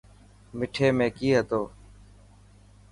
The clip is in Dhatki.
مٺي ۾ ڪئي هتو؟